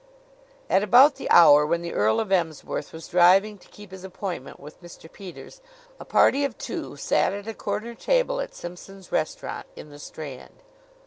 At about the hour when the Earl of Emsworth was driving to keep his appointment with Mr. Peters, a party of two sat at a corner table at Simpson's Restaurant, in the Strand.